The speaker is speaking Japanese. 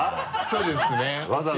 そうですねお尻。